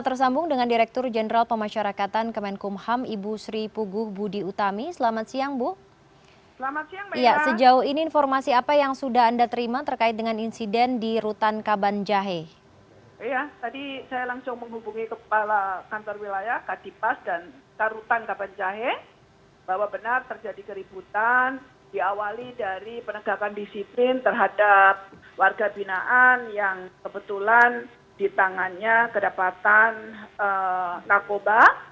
bahwa benar terjadi keributan diawali dari penegakan disiplin terhadap warga binaan yang kebetulan di tangannya kedapatan nakoba